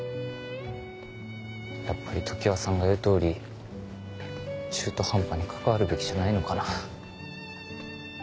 やっぱり常葉さんが言う通り中途半端に関わるべきじゃないのかな。